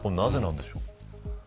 これ、なぜなんでしょうか。